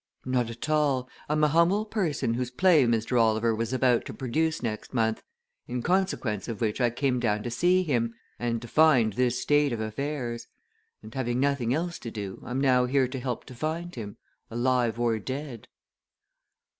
"Not at all! I'm a humble person whose play Mr. Oliver was about to produce next month, in consequence of which I came down to see him, and to find this state of affairs. And having nothing else to do I'm now here to help to find him alive or dead."